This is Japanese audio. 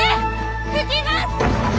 吹きます！